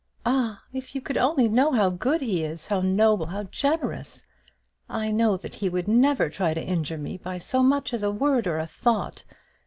Ah, if you could only know how good he is, how noble, how generous! I know that he would never try to injure me by so much as a word or a thought.